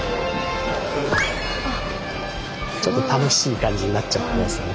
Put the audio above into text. ちょっと楽しい感じになっちゃってますね。